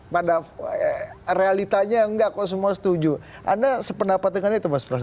padahal realitanya nggak kok semua setuju anda sependapat dengan itu mas prost